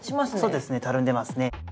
そうですねたるんでますね。